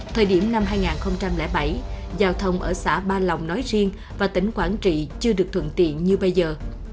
thời điểm năm hai nghìn bảy giao thông ở xã ba lòng nói riêng và tỉnh quảng trị chưa được thuận tiện như bây giờ